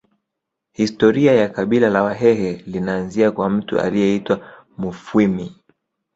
Historia ya kabila la Wahehe linaanzia kwa mtu aliyeitwa Mufwimi